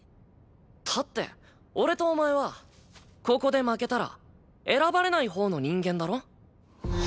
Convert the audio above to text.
だって俺とお前はここで負けたら選ばれないほうの人間だろ。